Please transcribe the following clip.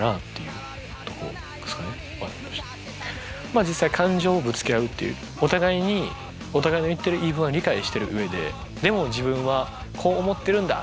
まあ実際感情をぶつけ合うっていうお互いにお互いの言ってる言い分は理解してる上ででも自分はこう思ってるんだ！